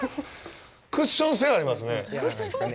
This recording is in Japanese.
クッション性がありますね！